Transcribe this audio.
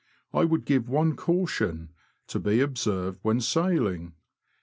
I would give one caution, to be observed when sailing.